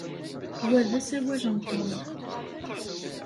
Wa d asawal n Tom.